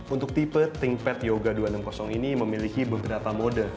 untuk tipe thinkpad yoga dua ratus enam puluh ini memiliki beberapa mode